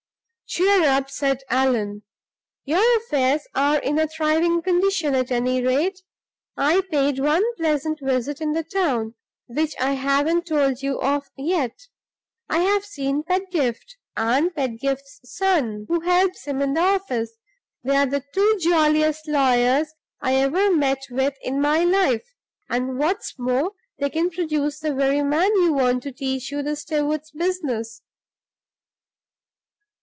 "Cheer up!" said Allan. "Your affairs are in a thriving condition, at any rate. I paid one pleasant visit in the town, which I haven't told you of yet. I've seen Pedgift, and Pedgift's son, who helps him in the office. They're the two jolliest lawyers I ever met with in my life; and, what's more, they can produce the very man you want to teach you the steward's business."